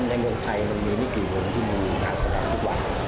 ในวงไทยมันมีไม่กี่วงที่มีงานสร้างทุกวัน